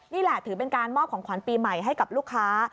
นี่แหละถือเป็นการมอบของขวัญปีใหม่ให้กับลูกค้า